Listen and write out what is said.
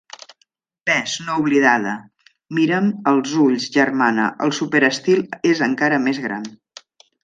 Ves, no oblidada, mira'm als ulls germana, el superestil és encara més gran.